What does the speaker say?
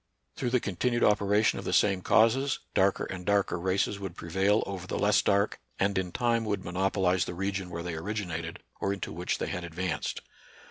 Through the continued operation of the same causes, darker and darker races would prevail over the less dark, and in time would monopolize the region where they originated or into which they had advanced.